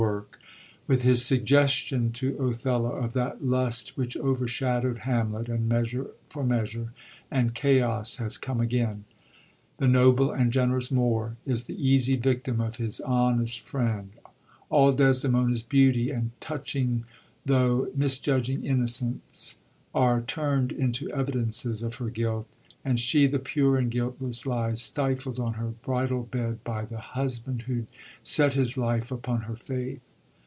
8HAKSP£RE*S THIRD PERIOD PLAYS with his suggestion to Othello of that lust which over shadowd Hamlet and Measure for Measure, and chaos has come again ; the noble and generous Moor is the easy victim of his honest friend ; all Desdemona*s beauty, and touching tho* misjudging innocence, are tumd into evidences of her guilt ; and she, the pure and guiltless, lies stifled on her bridal bed by the husband who*d set his life upon her faith.